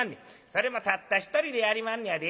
それもたった一人でやりまんねやで。